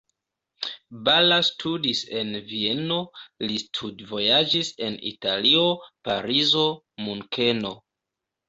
Balla studis en Vieno, li studvojaĝis en Italio, Parizo, Munkeno.